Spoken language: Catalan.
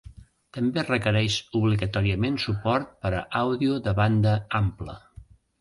També requereix obligatòriament suport per a àudio de banda ampla.